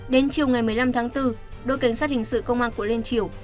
đến chiều ngày một mươi năm tháng bốn đội cảnh sát hình sự công an quận liên triều